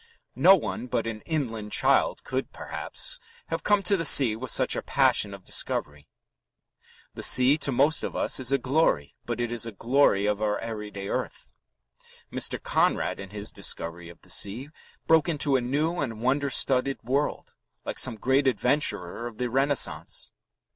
No one but an inland child could, perhaps, have come to the sea with such a passion of discovery. The sea to most of us is a glory, but it is a glory of our everyday earth. Mr. Conrad, in his discovery of the sea, broke into a new and wonder studded world, like some great adventurer of the Renaissance.